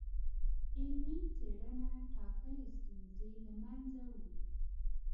علمي څېړنه ټاکلي ستونزي له منځه وړي.